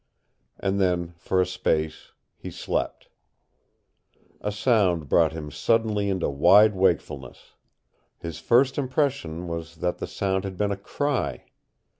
And then, for a space, he slept. A sound brought him suddenly into wide wakefulness. His first impression was that the sound had been a cry.